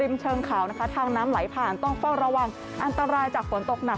เชิงเขานะคะทางน้ำไหลผ่านต้องเฝ้าระวังอันตรายจากฝนตกหนัก